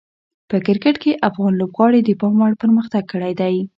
په کرکټ کې افغان لوبغاړي د پام وړ پرمختګ کړی دی.